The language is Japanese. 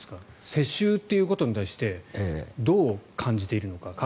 世襲ということに対してどう感じているのか。